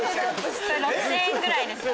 ６０００円ぐらいでした。